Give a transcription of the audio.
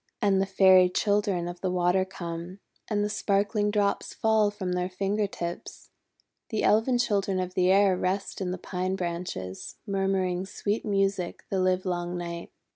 And the Fairy Children of the Water come, and the sparkling drops fall from their finger tips. The Elfin Children of the Air rest in the pine branches, murmuring sweet music the livelong night.